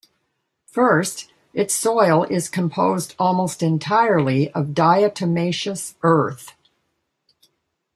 First, its soil is composed almost entirely of diatomaceous earth.